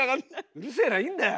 うるせえないいんだよ！